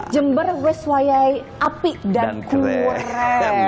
jember weswayahe api dan kure